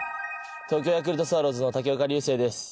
東京ヤクルトスワローズの武岡龍世です。